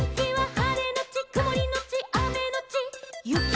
「はれのちくもりのちあめのちゆき」